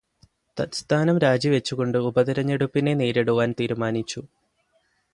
തത്സ്ഥാനം രാജി വച്ചു കൊണ്ട് ഉപതെരെഞ്ഞെടുപ്പിനെ നേരിടുവാന് തീരുമാനിച്ചു.